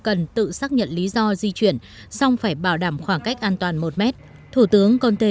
cần tự xác nhận lý do di chuyển song phải bảo đảm khoảng cách an toàn một mét thủ tướng conte